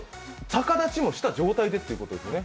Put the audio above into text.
逆立ちもした状態でってことですよね。